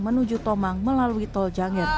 menuju tomang melalui tol jangin